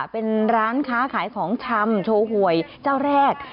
เป็นร้านค้าขายของชำโชว์หวยเจ้าแรก